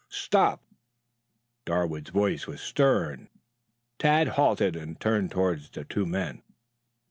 "Stop!" Darwood's voice was stern. Tad halted and turned towards the two men.